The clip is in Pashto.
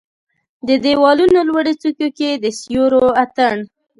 د د یوالونو لوړو څوکو کې د سیورو اټن